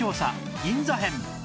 銀座編